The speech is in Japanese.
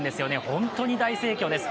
本当に大盛況です。